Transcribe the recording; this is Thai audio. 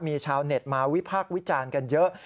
มีชาวเน็ตมาวิพากษ์วิจารณ์กันเยอะ